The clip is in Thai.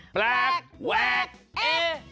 แปลกแหวกเอ